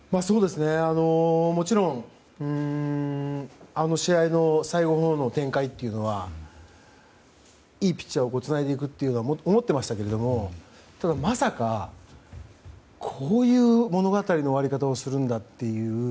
もちろんあの試合の最後のほうの展開はいいピッチャーをつないでいくと思ってましたけどただ、まさか、こういう物語の終わり方をするんだという。